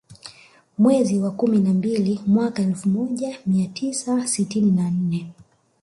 Mwezi wa kumi na mbili mwaka Elfu moja mia tisa sitini na nne